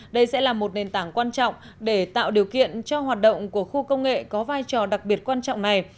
đây sẽ là một nền tảng quan trọng để tạo điều kiện cho hoạt động của khu công nghệ có vai trò đặc biệt quan trọng này